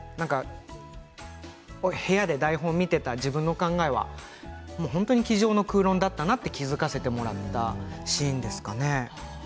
部屋で台本を見ていた自分の考えは本当に机上の空論だったなと気付かせてもらったシーンですね。